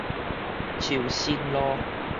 樹新路